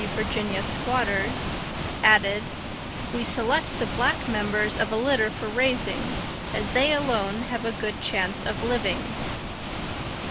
_ Virginia squatters) added, "we select the black members of a litter for raising, as they alone have a good chance of living."